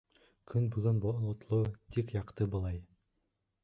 — Көн бөгөн болотло, тик яҡты былай.